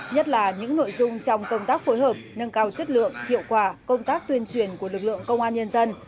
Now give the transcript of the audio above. nhất là những nội dung trong công tác phối hợp nâng cao chất lượng hiệu quả công tác tuyên truyền của lực lượng công an nhân dân